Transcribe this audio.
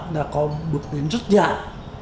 đã có bước đến rất dài